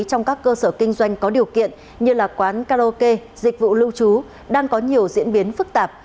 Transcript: trong các cơ sở kinh doanh có điều kiện như là quán karaoke dịch vụ lưu trú đang có nhiều diễn biến phức tạp